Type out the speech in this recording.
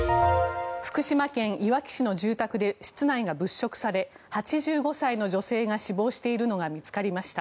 福島県いわき市の住宅で室内が物色され８５歳の女性が死亡しているのが見つかりました。